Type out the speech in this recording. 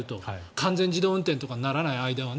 完全自動運転とかにならない間は。